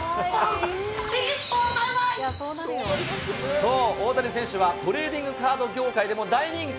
そう、大谷選手はトレーディングカード業界でも大人気。